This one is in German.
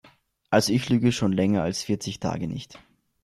Also ich lüge schon länger als vierzig Tage nicht.